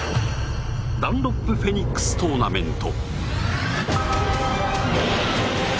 ダンロップフェニックストーナメント。